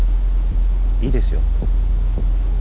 いいですよ。